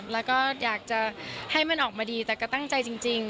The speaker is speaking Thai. แล้วก็อยากจะให้มันออกมาดีแต่ก็ตั้งใจจริง